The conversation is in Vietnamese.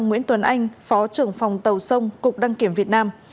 nguyễn tuấn anh phó trưởng phòng tàu sông cục đăng kiểm việt nam